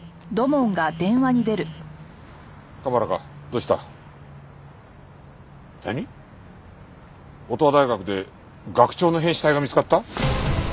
乙羽大学で学長の変死体が見つかった？